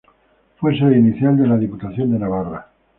Fue sede inicial de la Diputación de Navarra.